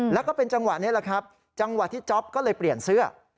แล้วก็เป็นจังหวะนี้แหละครับจังหวะที่จ๊อปก็เลยเปลี่ยนเสื้อ